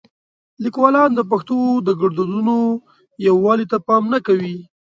لیکوالان د پښتو د ګړدودونو یووالي ته پام نه کوي.